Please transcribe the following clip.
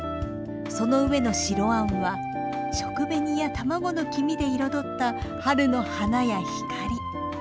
その上の白餡は食紅や卵の黄身で彩った春の花や光。